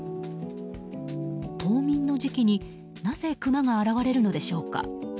冬眠の時期に、なぜクマが現れるのでしょうか。